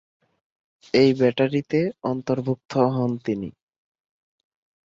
এই ব্যাটারিতে অন্তর্ভুক্ত হন তিনি।